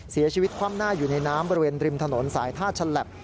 เสียชีวิตความหน้าอยู่ในน้ำบริเวณริมถนนสายท่าชันแหลป